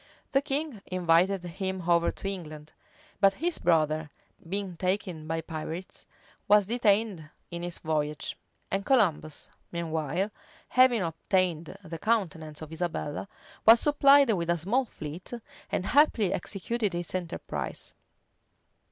The king invited him over to England; but his brother, being taken by pirates, was detained in his voyage; and Columbus, meanwhile, having obtained the countenance of Isabella, was supplied with a small fleet, and happily executed his enterprise.